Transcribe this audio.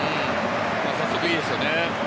早速いいですよね。